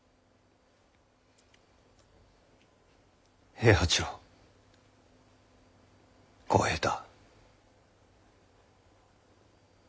平八郎小平太。